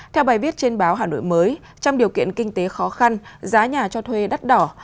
theo bài viết trên báo hnm trong điều kiện kinh tế khó khăn giá nhà cho thuê đắt đỏ